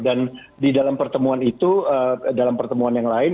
dan di dalam pertemuan itu dalam pertemuan yang lain